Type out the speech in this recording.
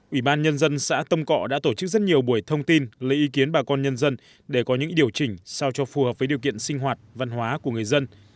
ủy ban nhân dân xã tâm cọ đã tổ chức rất nhiều buổi thông tin lấy ý kiến bà con nhân dân để có những điều chỉnh sao cho phù hợp với điều kiện sinh hoạt văn hóa của người dân